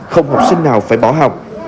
không học sinh nào phải bỏ học